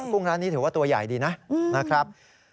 กุ้งร้านนี้ถือว่าตัวใหญ่ดีนะครับ